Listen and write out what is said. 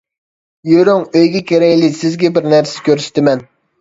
يۈرۈڭ ئۆيگە كىرەيلى سىزگە بىر نەرسە كۆرسىتىمەن.